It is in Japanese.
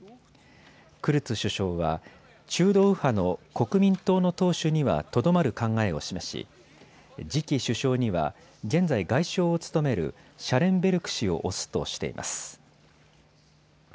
クルツ首相は中道右派の国民党の党首にはとどまる考えを示し次期首相には現在外相を務めるシャレンベルク氏を推すとしています。